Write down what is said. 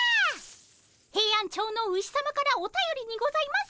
ヘイアンチョウのウシさまからおたよりにございます。